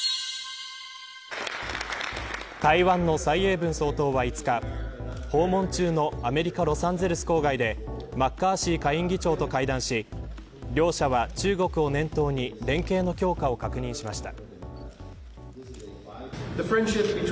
台湾の蔡英文総統は５日訪問中のアメリカロサンゼルス郊外でマッカーシー下院議長と会談し両者は中国を念頭に連携の強化を確認しました。